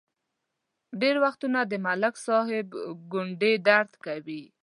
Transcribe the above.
ډېر وختونه د ملک صاحب ګونډې درد کوي.